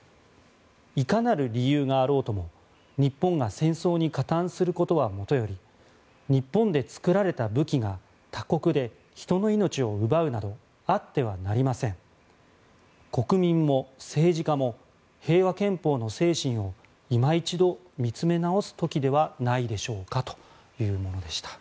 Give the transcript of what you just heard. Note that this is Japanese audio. いかなる理由があろうとも日本が戦争に加担することはもとより日本で作られた武器が他国で人の命を奪うなどあってはなりません国民も政治家も平和憲法の精神をいま一度見つめ直す時ではないでしょうかというものでした。